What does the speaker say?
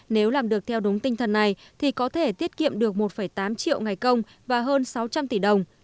nếu làm được theo đúng tinh thần này thì có thể tiết kiệm được một tám triệu ngày công và hơn sáu trăm linh tỷ đồng